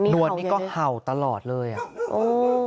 วดนี่ก็เห่าตลอดเลยอ่ะโอ้